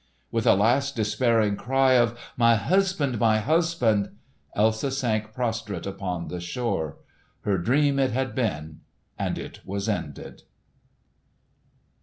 With a last despairing cry of "My husband! my husband!" Elsa sank prostrate upon the shore. Her dream it had been, and it was ended.